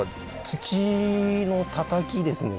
土のたたきですね